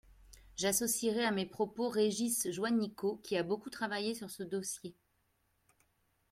J’associerai à mes propos Régis Juanico, qui a beaucoup travaillé sur ce dossier.